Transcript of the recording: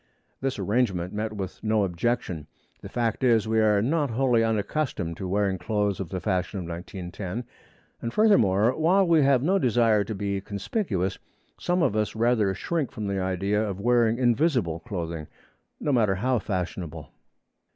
This arrangement met with no objection. The fact is, we are not wholly unaccustomed to wearing clothes of the fashion of 1910, and furthermore, while we have no desire to be conspicuous, some of us rather shrink from the idea of wearing invisible clothing, no matter how fashionable.